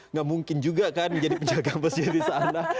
nggak mungkin juga kan jadi penjaga masjid di sana